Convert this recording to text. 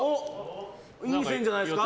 いい線じゃないですか。